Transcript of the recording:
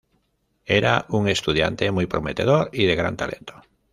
Era un estudiante muy prometedor y de gran talento.